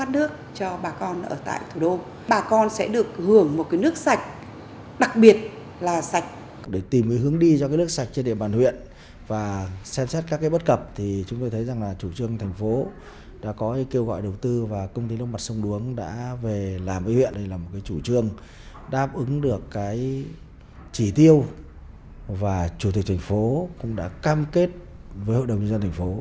đây là một chủ trương đáp ứng được chỉ tiêu và chủ tịch thành phố cũng đã cam kết với hội đồng nhân dân thành phố